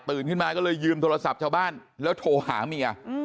ขึ้นมาก็เลยยืมโทรศัพท์ชาวบ้านแล้วโทรหาเมีย